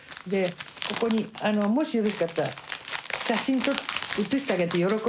ここにもしよろしかったら写真映してあげて喜ぶと思うから。